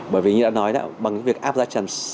bởi vì như đã nói đó bằng cái việc áp giá trần